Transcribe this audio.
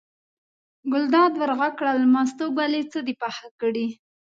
ګلداد ور غږ کړل: مستو ګلې څه دې پاخه کړي.